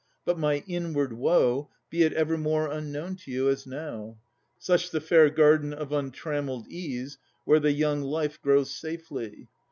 But my inward woe, Be it evermore unknown to you, as now! Such the fair garden of untrammeled ease Where the young life grows safely.